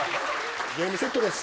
ゲームセットです。